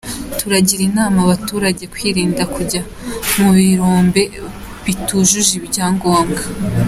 Turagira inama abaturage kwirinda kujya mu birombe bitujuje ibyangombwa.